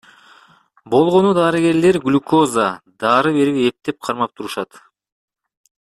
Болгону дарыгерлер глюкоза, дары берип эптеп кармап турушат.